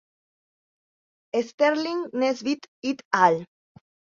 Sterling Nesbitt "et al.